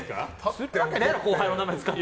するわけないやろ後輩の名前使って。